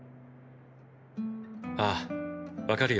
ああわかるよ。